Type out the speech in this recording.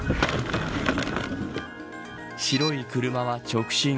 白い車は直進。